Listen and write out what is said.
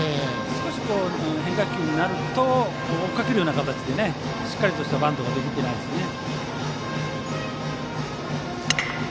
少し変化球になると追いかけるような形でしっかりとしたバントができてないですね。